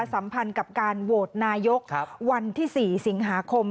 สัมพันธ์กับการโหวตนายกวันที่๔สิงหาคม